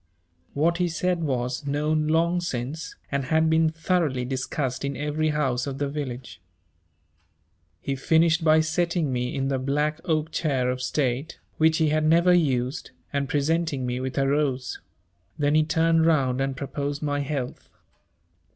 What he said was known long since, and had been thoroughly discussed in every house of the village. He finished by setting me in the black oak chair of state which he had never used and presenting me with a rose; then he turned round and proposed my health.